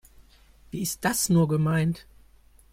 Wie ist das nur gemeint?